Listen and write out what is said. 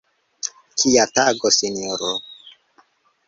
Kia tago, sinjoro!